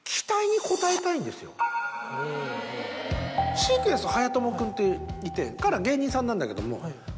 シークエンスはやとも君っていて彼は芸人さんなんだけども。